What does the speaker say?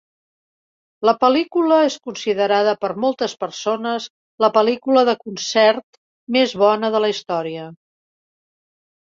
La pel·lícula es considerada per moltes persones la pel·lícula de concert més bona de la història.